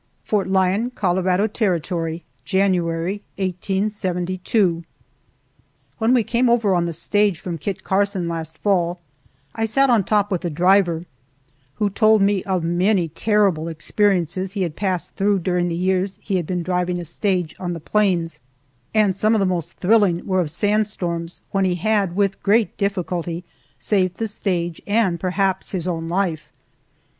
FORT LYON, COLORADO TERRITORY, January, 1872. WHEN we came over on the stage from Kit Carson last fall, I sat on top with the driver, who told me of many terrible experiences he had passed through during the years he had been driving a stage on the plains, and some of the most thrilling were of sand storms, when he had, with great difficulty, saved the stage and perhaps his own life.